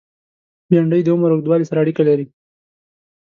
بېنډۍ د عمر اوږدوالی سره اړیکه لري